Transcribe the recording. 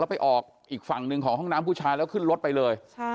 ไปออกอีกฝั่งหนึ่งของห้องน้ำผู้ชายแล้วขึ้นรถไปเลย